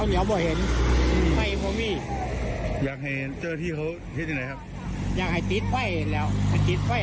อยากให้มันสว่างให้เร็วดูซัก